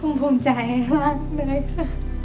พรุ่งภูมิใจลากหน่อยค่ะ